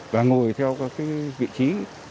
và ngồi theo vị trí